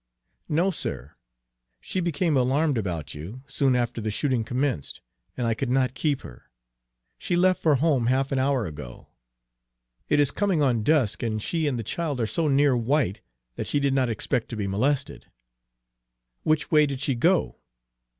"No, sir; she became alarmed about you, soon after the shooting commenced, and I could not keep her. She left for home half an hour ago. It is coming on dusk, and she and the child are so near white that she did not expect to be molested." "Which way did she go?"